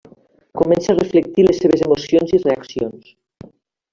Comença a reflectir les seves emocions i reaccions.